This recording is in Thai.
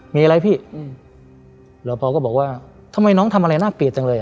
มีอะไรพี่อืมแล้วพอก็บอกว่าทำไมน้องทำอะไรน่าเกลียดจังเลย